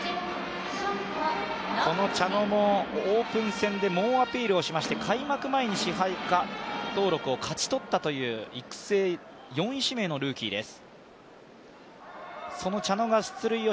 この茶野もオープン戦で猛アピールをしまして、開幕前に、支配下登録を勝ち取ったという、育成４位指名のルーキーです。